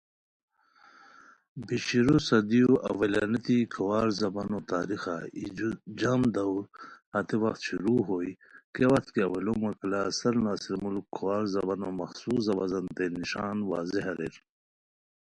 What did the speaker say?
بیشیرو صدیو اولانیتی کھوار زبانو تاریخا ای جم دور ہتے وخت شروع ہوئے کیہ وت کی اولو مکالا سرناصرالملک کھوار زبانو مخصوص ہوازانتے نݰان وضع اریر